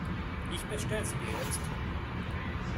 Ich bestell sie dir jetzt.